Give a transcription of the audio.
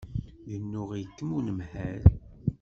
Yennuɣ-ikem unemhal.